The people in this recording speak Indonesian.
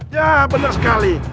ya benar sekali